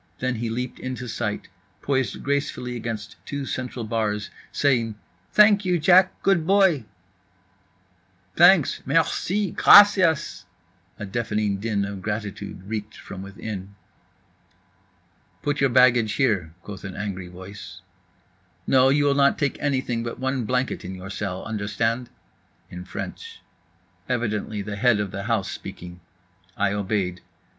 Then he leaped into sight, poised gracefully against two central bars, saying "Thank you, Jack, good boy" … "Thanks, merci, gracias…" a deafening din of gratitude reeked from within. "Put your baggage in here," quoth an angry voice. "No, you will not take anything but one blanket in your cell, understand." In French. Evidently the head of the house speaking. I obeyed.